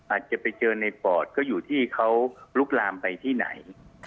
อาจจะไปเจอในปอดก็อยู่ที่เขาลุกลามไปที่ไหน